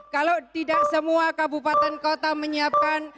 kalau tidak semua kabupaten kota menyiapkan